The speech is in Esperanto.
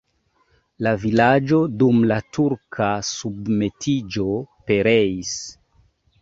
La vilaĝo dum la turka submetiĝo pereis.